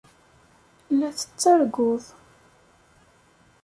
La tettarguḍ.